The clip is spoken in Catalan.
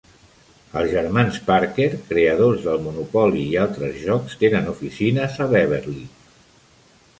Els germans Parker, creadors del Monopoly i altres jocs, tenen oficines a Beverly.